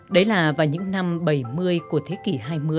đấy là vào những năm bảy mươi của thế kỷ hai mươi